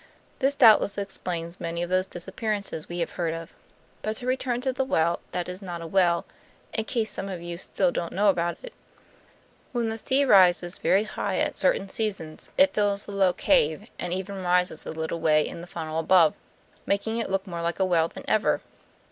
This doubtless explains many of those disappearances we have heard of. But to return to the well that is not a well, in case some of you still don't know about it. When the sea rises very high at certain seasons it fills the low cave, and even rises a little way in the funnel above, making it look more like a well than ever.